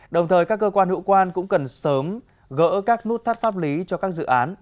đồng thời các cơ quan hữu quan cũng cần sớm gỡ các nút thắt pháp lý cho các dự án